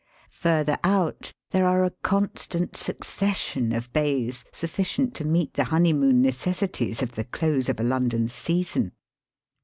Further out there are a constant succession of bays sufficient to meet the honeymoon necessities of the close of a London season.